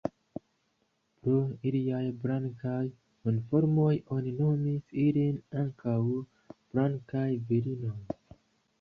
Pro iliaj blankaj uniformoj oni nomis ilin ankaŭ Blankaj virinoj.